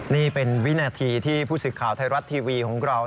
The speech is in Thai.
นี่เป็นวินาทีที่ผู้สิทธิ์ข่าวไทยรัฐทีวีของเรา